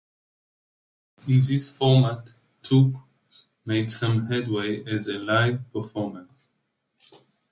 In this format, Took made some headway as a live performer.